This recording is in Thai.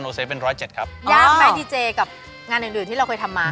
ยากไหมดีเจกับงานอื่นที่เราเคยทำมา